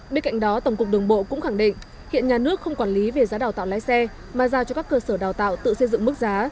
bên cạnh đó tổng cục đường bộ cũng khẳng định hiện nhà nước không quản lý về giá đào tạo lái xe mà giao cho các cơ sở đào tạo tự xây dựng mức giá